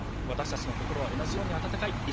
私たちの心は同じように温かい。